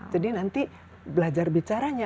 jadi nanti belajar bicaranya